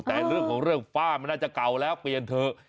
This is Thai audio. แต่เรื่องของเรื่องฝ้ามันน่าจะเก่าแล้วเปลี่ยนเถอะ